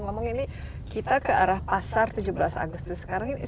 tapi ngomong ngomong ini kita ke arah pasar tujuh belas agustus sekarang ini